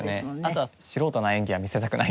あとは素人な演技は見せたくないんですよ